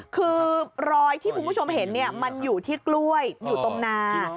คือรอยที่คุณผู้ชมเห็นมันอยู่ที่กล้วยอยู่ตรงนา